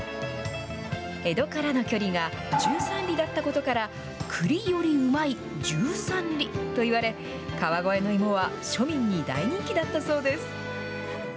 江戸からの距離が十三里だったことから、九里四里うまい十三里といわれ、川越の芋は庶民に大人気だったそうです。